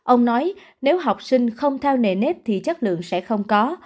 ông nói nếu học sinh không theo nề nếp thì chất lượng sẽ không có